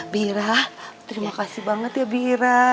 bira terima kasih banget ya bira